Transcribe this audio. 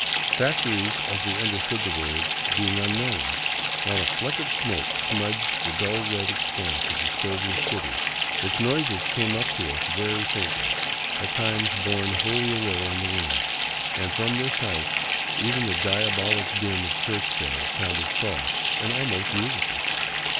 Factories, as we understand the word, being unknown, not a ^ fleck of smoke smudged the dull red expanse of the stoveless city. Its noises came up to us very faintly, at times borne wholly away on the wind, and from this height even the diabolic din of church bells sounded soft and almost musical.